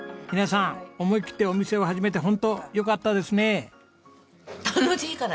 皆さん思い切ってお店を始めて本当よかったですね。